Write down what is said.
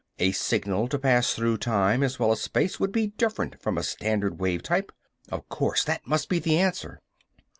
A signal to pass through time as well as space would be different from a standard wave type! Of course that must be the answer."